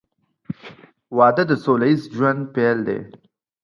• واده د سوله ییز ژوند پیل دی.